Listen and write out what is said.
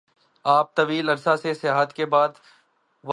آپ طویل عرصہ سے سیاحت کے بعد واپس شیراز آگئے-